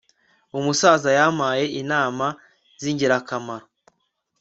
umusaza yampaye inama zingirakamaro